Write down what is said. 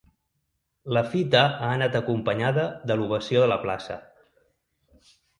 La fita ha anat acompanyada de l’ovació de la plaça.